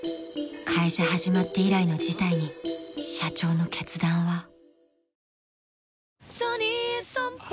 ［会社始まって以来の事態に社長の決断は］